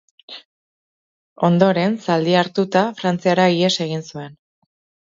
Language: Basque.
Ondoren, zaldia hartuta, Frantziara ihes egin zuen.